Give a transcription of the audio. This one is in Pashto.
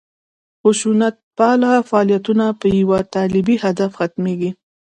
خشونتپاله فعالیتونه په یوه طالبي هدف ختمېږي.